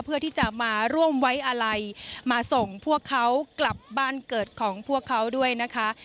เพื่อที่จะมาร่วมไว้อะไรมาส่งพวกเขากลับบ้านเกิดของพวกเขาด้วยนะคะ